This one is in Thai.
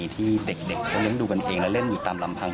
ที่เด็กเขาเลี้ยงดูกันเองและเล่นอยู่ตามลำพัง